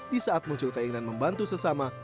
di saat muncul keinginan membantu sesama